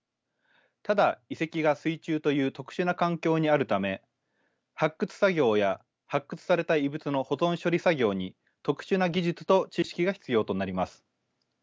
ただ遺跡が水中という特殊な環境にあるため発掘作業や発掘された遺物の保存処理作業に特殊な技術と知識が必要となります。